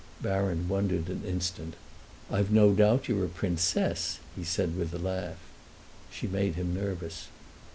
Baron wondered an instant. "I've no doubt you're a princess!" he said with a laugh. She made him nervous.